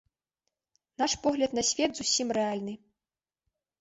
Наш погляд на свет зусім рэальны.